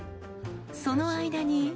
その間に。